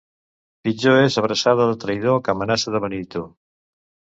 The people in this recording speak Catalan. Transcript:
Pitjor és abraçada de traïdor que amenaça de beneitó.